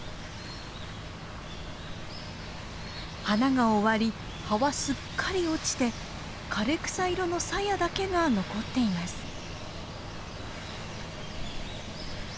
花が終わり葉はすっかり落ちて枯れ草色のさやだけが残っています。